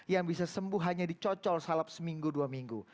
yang bisa sembuh hanya dicocol salap seminggu dua minggu